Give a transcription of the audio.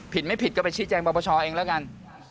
ผิดไม่ผิดก็ไปชิดแจงประประชาวเองแล้วกัน